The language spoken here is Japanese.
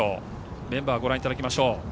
メンバーをご覧いただきましょう。